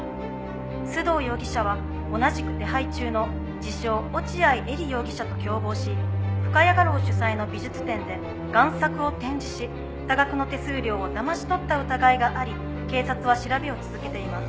「須藤容疑者は同じく手配中の自称落合エリ容疑者と共謀し深谷画廊主催の美術展で贋作を展示し多額の手数料をだまし取った疑いがあり警察は調べを続けています」